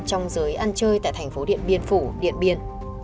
trong giới ăn chơi tại thành phố điện biên phủ điện biên